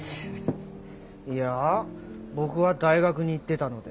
いや僕は大学に行ってたので。